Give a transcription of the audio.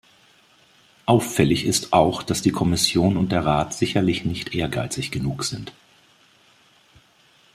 Auffällig ist auch, dass die Kommission und der Rat sicherlich nicht ehrgeizig genug sind.